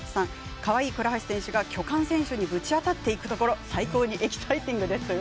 かわいい倉橋選手が巨漢選手にぶち当たっていくところ最高にエキサイティングです。